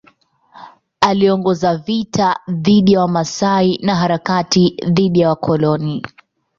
Aliongoza vita dhidi ya Wamasai na harakati dhidi ya wakoloni.